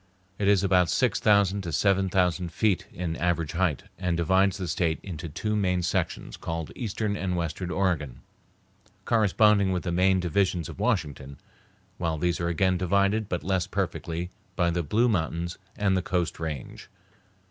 It is about six thousand to seven thousand feet in average height, and divides the State into two main sections called Eastern and Western Oregon, corresponding with the main divisions of Washington; while these are again divided, but less perfectly, by the Blue Mountains and the Coast Range.